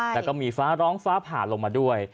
แล้วก็มีฟ้าร้องฟ้าผ่าลงมาด้วย